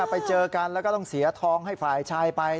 ไปเจอกันแล้วก็ต้องเสียทองให้ฝ่ายชายไป